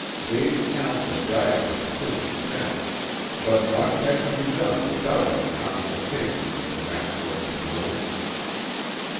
Dave's counsel guided him to an extent, but much had to be done without any consultation with the master of the mills.